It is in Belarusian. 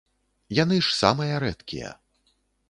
Яны ж самыя рэдкія.